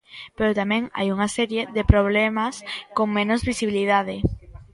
Pero tamén hai unha serie de problemas con menos visibilidade.